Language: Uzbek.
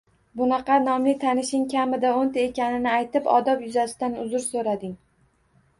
Bunaqa nomli tanishing kamida o'n ta ekaningni aytib odob yuzasidan uzr so‘rading.